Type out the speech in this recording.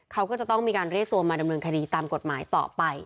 เขาก็จะต้องมีการเรียกตัวมาดำเนินคดีตามกฎหมายต่อไป